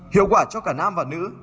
hiệu quả cho cả nam và nữ